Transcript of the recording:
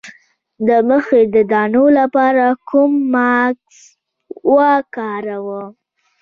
د مخ د دانو لپاره کوم ماسک وکاروم؟